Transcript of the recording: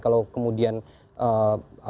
kalau kemudian apa namanya ya